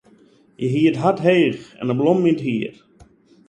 Hja hie it hart heech en blommen yn it hier.